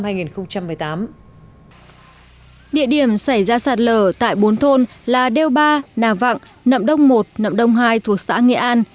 địa điểm xảy ra sạt lở tại bốn thôn là đeo ba nà vạng nậm đông một nậm đông hai thuộc xã nghệ an